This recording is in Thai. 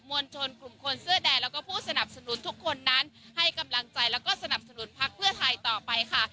วลชนกลุ่มคนเสื้อแดงแล้วก็ผู้สนับสนุนทุกคนนั้นให้กำลังใจแล้วก็สนับสนุนพักเพื่อไทยต่อไปค่ะ